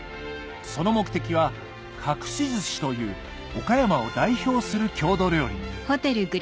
その目的はかくし寿司という岡山を代表する郷土料理